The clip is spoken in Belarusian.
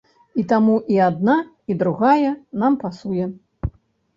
І таму і адна, і другая нам пасуе.